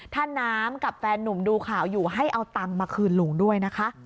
ถ้าน้ำกับแฟนหนุ่มดูข่าวอยู่ให้เอาตังค์มาคืนลุงด้วยนะคะ